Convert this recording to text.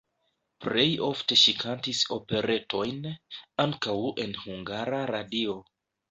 Plej ofte ŝi kantis operetojn, ankaŭ en Hungara Radio.